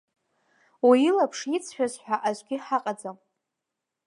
Уи илаԥш иҵшәаз ҳәа аӡәгьы ҳаҟаӡам.